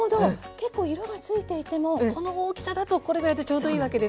結構色がついていてもこの大きさだとこれぐらいでちょうどいいわけですか。